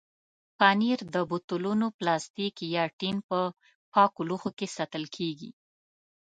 پنېر د بوتلونو، پلاستیک یا ټین په پاکو لوښو کې ساتل کېږي.